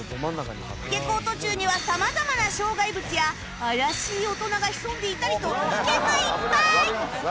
下校途中には様々な障害物や怪しい大人が潜んでいたりと危険がいっぱい！